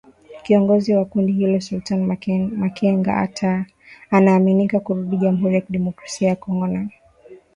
Kiongozi wa kundi hilo Sultani Makenga anaaminika kurudi jamhuri ya kidemokrasia ya Kongo na